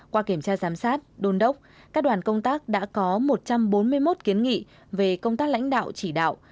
qua kiểm tra giám sát đôn đốc các đoàn công tác đã có một trăm bốn mươi một kiến nghị về công tác lãnh đạo chỉ đạo